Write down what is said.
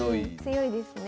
強いですね。